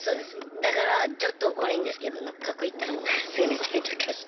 だからちょっと悪いんですけど学校行ったらすぐ寝たりとかして。